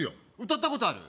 歌ったことある？